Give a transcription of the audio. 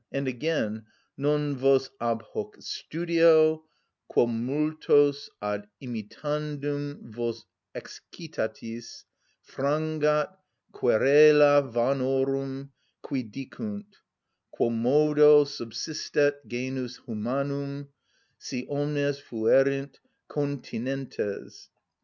And again: "_Non vos ab hoc studio, quo multos ad imitandum vos excitatis, frangat querela vanorum, qui dicunt: quomodo subsistet genus humanum, si omnes fuerint continentes?